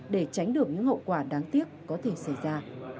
để tránh được những hậu quả đáng tiếc có thể xảy ra